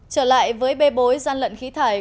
trở lại với bê bối gian lận khí thải